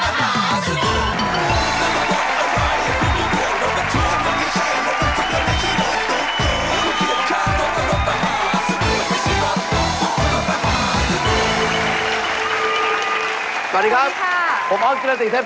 เวลาเดี๋ยวเรามาดูทางนี้คือรถมหาสนุกครั้งนี้ครับมาหาเมื่อไหร่สนุกเมื่อนั้น